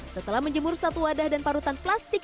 setelah menjemur satu wadah dan parutan plastik